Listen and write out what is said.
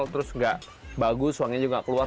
terus tidak bagus wanginya juga keluar